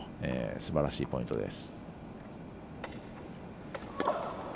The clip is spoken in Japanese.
すばらしいポイントです。